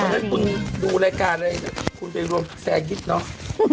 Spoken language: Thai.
วันนี้ดูรายการเลยคุณไปรวมแสงดิ๊กเนอะ